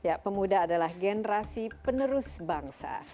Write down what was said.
ya pemuda adalah generasi penerus bangsa